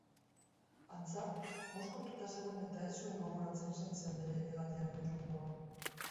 Antza, mozkortuta zegoen eta ez zuen gogoratzen zein zen bere hegaldiaren jomuga.